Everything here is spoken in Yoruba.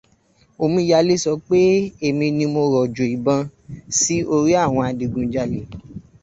Omíyalé sọ pé èmi ni mo rọ̀jọ̀ ìbọn sí orí àwọn adigunjalè